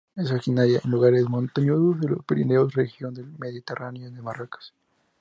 Es originaria de lugares montañosos de los Pirineos, región del Mediterráneo y Marruecos.